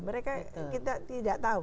mereka kita tidak tahu